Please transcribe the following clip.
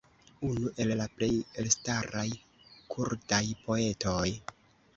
unu el la plej elstaraj kurdaj poetoj